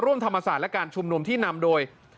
ธรรมศาสตร์และการชุมนุมที่นำโดย